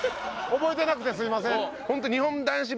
覚えてなくてすみません。